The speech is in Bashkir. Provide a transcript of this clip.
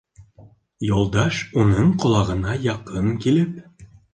Юлдаш, уның ҡолағына яҡын килеп: